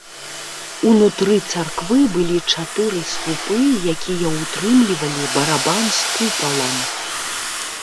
Унутры царквы былі чатыры слупы, якія ўтрымлівалі барабан з купалам.